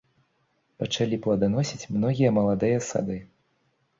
Пачалі пладаносіць многія маладыя сады.